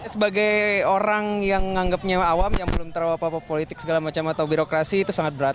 sebagai orang yang anggapnya awam yang belum terlalu politik segala macam atau birokrasi itu sangat berat